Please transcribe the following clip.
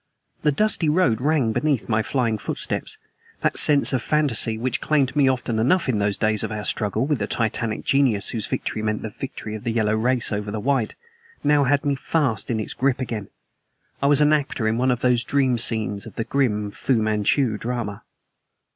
The dusty road rang beneath my flying footsteps. That sense of fantasy, which claimed me often enough in those days of our struggle with the titanic genius whose victory meant the victory of the yellow races over the white, now had me fast in its grip again. I was an actor in one of those dream scenes of the grim Fu Manchu drama.